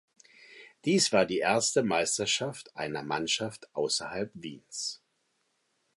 Dies war die erste Meisterschaft einer Mannschaft außerhalb Wiens.